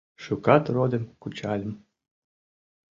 Шукат родым кучальым